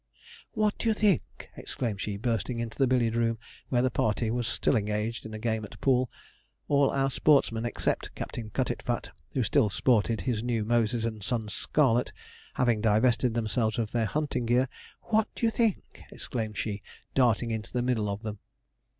'What d'ye think?' exclaimed she, bursting into the billiard room, where the party were still engaged in a game at pool, all our sportsmen, except Captain Cutitfat, who still sported his new Moses and Son's scarlet, having divested themselves of their hunting gear 'What d'ye think?' exclaimed she, darting into the middle of them.